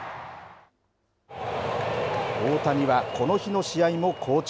大谷はこの日の試合も好調。